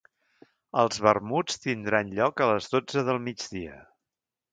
El vermuts tindran lloc a les dotze del migdia.